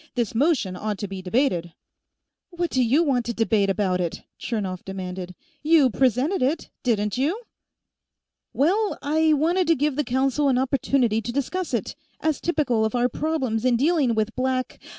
"This motion ought to be debated " "What do you want to debate about it?" Chernov demanded. "You presented it, didn't you?" "Well, I wanted to give the Council an opportunity to discuss it, as typical of our problems in dealing with Black